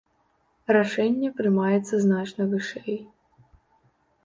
Рашэнне прымаецца значна вышэй.